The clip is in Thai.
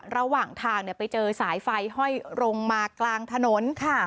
ระหว่างทางไปเจอสายไฟห้อยลงมากลางถนนค่ะ